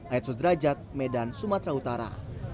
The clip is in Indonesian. ayat sudrajat medan sumatera utara